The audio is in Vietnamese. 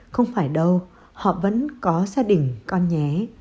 không phải đâu họ vẫn có gia đình con nhé